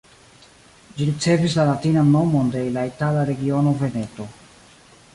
Ĝi ricevis la latinan nomon de la itala regiono Veneto.